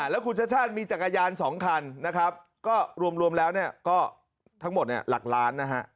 แล้วคุณชาติชาติมีจักรยาน๒คันนะครับก็รวมแล้วก็ทั้งหมดหลักล้านนะฮะ